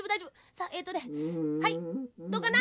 さあえっとねどうかな？